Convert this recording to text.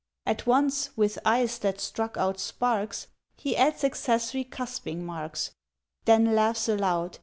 —At once, with eyes that struck out sparks, He adds accessory cusping marks, Then laughs aloud.